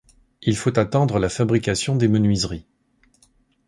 il faut attendre la fabrication des menuiseries